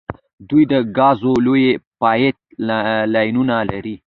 دوی د ګازو لویې پایپ لاینونه لري.